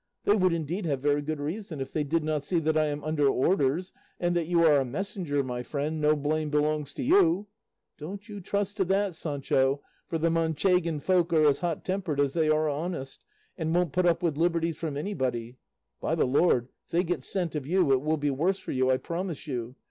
They would, indeed, have very good reason, if they did not see that I am under orders, and that 'you are a messenger, my friend, no blame belongs to you.' Don't you trust to that, Sancho, for the Manchegan folk are as hot tempered as they are honest, and won't put up with liberties from anybody. By the Lord, if they get scent of you, it will be worse for you, I promise you.